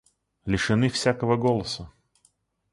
Лишены всякого голоса.